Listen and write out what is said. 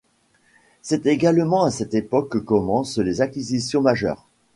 C’est également à cette époque que commencent les acquisitions majeures.